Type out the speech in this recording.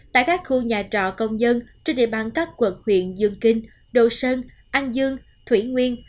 tại các khu nhà trọ công nhân trên địa bàn các quận huyện dương kinh đồ sơn an dương thủy nguyên